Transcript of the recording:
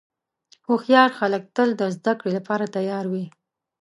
هوښیار خلک تل د زدهکړې لپاره تیار وي.